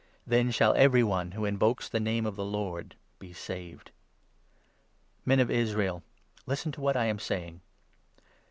Then shall every one who invokes the Name of the Lord 21 be saved.' Men of Israel, listen to what I am saying.